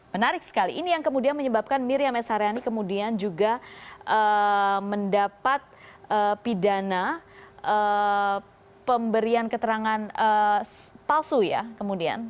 menarik sekali ini yang kemudian menyebabkan miriam s haryani kemudian juga mendapat pidana pemberian keterangan palsu ya kemudian